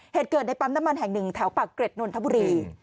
เหตุเกิดในปั๊มน้ำมันแห่งหนึ่งแถวปากเกร็ดนนทบุรี